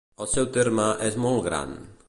El seu terme és molt gran.